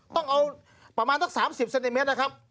ต้องเอาประมาณสัก๓๐เซนติเมตรนะครับ